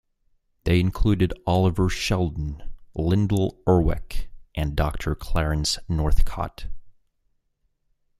They included Oliver Sheldon, Lyndall Urwick and Doctor Clarence Northcott.